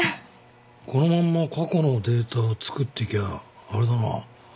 このまんま過去のデータ作っていきゃあれだな